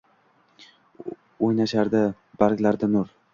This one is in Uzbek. Oʻynashardi barglarida nur.